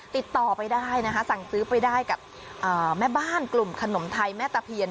ติดต่อไปได้นะคะสั่งซื้อไปได้กับแม่บ้านกลุ่มขนมไทยแม่ตะเพียน